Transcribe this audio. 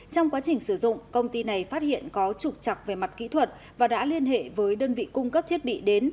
trong quá trình sử dụng công ty này phát hiện có trục chặt về mặt kỹ thuật và đã liên hệ với đơn vị cung cấp thiết bị đến